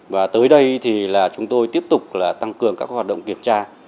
và tới đây chúng tôi tiếp tục tăng cường các hoạt động kiểm tra